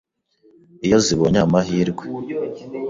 “Iyo zibonye aya mahirwe